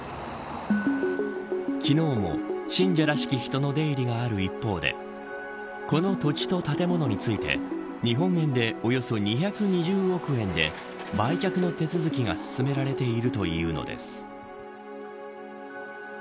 昨日も信者らしき人の出入りがある一方でこの土地と建物について日本円で、およそ２２０億円で売却の手続きが進められているというのです。